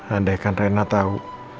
andai kan riana tahu